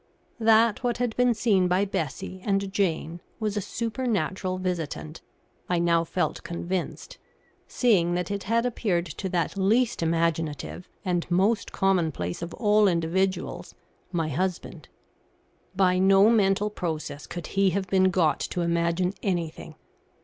That what had been seen by Bessie and Jane was a supernatural visitant, I now felt convinced, seeing that it had appeared to that least imaginative and most commonplace of all individuals, my husband. By no mental process could he have been got to imagine anything.